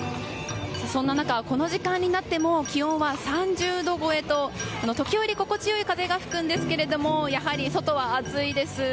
そんな中この時間になっても気温は３０度超えと時折、心地良い風が吹くんですけれどもやはり外は暑いです。